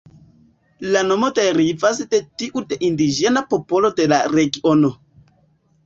La nomo derivas de tiu de indiĝena popolo de la regiono.